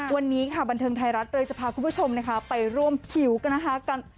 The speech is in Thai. วันนี้ค่ะบันเทิงไทยรัฐเลยจะพาคุณผู้ชมนะคะไปร่วมคิวกันนะคะ